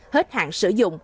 hết hạn sử dụng